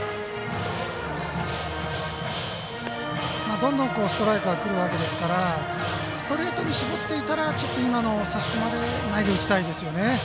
どんどんストライクがくるわけですからストレートに絞っていたら今のは差し込まれないで打ちたいですよね。